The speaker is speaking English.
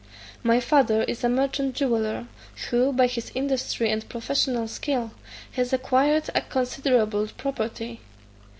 "My father is a merchant jeweller, who, by his industry and professional skill, has acquired considerable property.